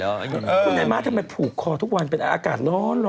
คุณนายม้าทำไมผูกคอทุกวันเป็นอากาศร้อนร้อน